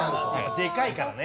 でかいからね。